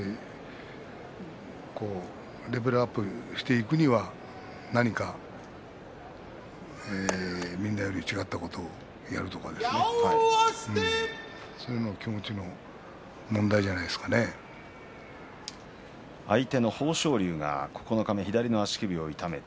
自分がレベルアップしていくには何かみんなと違ったことをやるとかですね、そういった気持ちを相手の豊昇龍九日目、左の足首を痛めました。